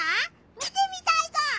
見てみたいぞ！